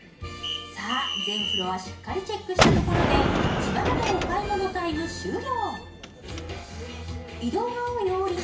全フロアしっかりチェックしたところで自腹のお買い物タイム終了。